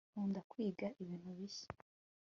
nkunda kwiga ibintu bishya